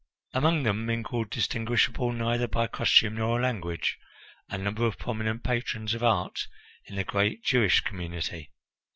Among them mingled, distinguishable neither by costume nor language, a number of prominent patrons of art in the great Jewish community.